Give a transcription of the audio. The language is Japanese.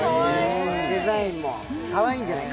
デザインも、かわいいんじゃない？